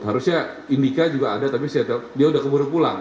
harusnya indika juga ada tapi dia udah keburu pulang